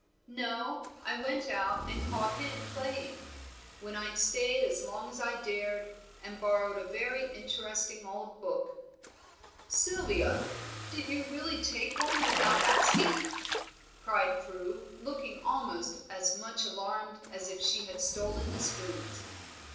"No, I went out and caught him playing. When I'd stayed as long as I dared, and borrowed a very interesting old book "Sylvia! did you really take one without asking?" cried Prue, looking almost as much alarmed as if she had stolen the spoons.